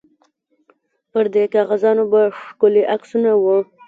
پر دې کاغذانو به ښکلي عکسونه وو.